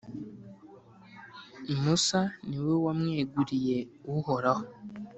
Musa ni we wamweguriye Uhoraho,